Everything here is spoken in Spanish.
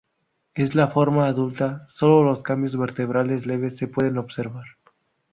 En la forma adulta, sólo los cambios vertebrales leves se pueden observar.